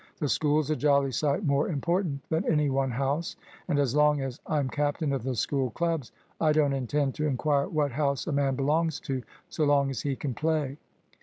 The School's a jolly sight more important than any one house, and as long as I'm captain of the School clubs I don't intend to inquire what house a man belongs to so long as he can play.